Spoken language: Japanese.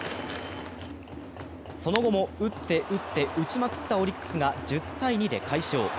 その後も打って打って打ちまくったオリックスが１０−２で快勝。